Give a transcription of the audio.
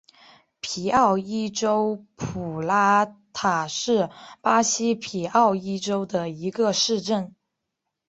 皮奥伊州普拉塔是巴西皮奥伊州的一个市镇。